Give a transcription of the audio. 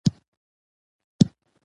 میرویس نیکه یو پوه او زیرک سیاستوال و.